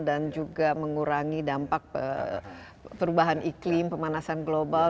dan juga mengurangi dampak perubahan iklim pemanasan global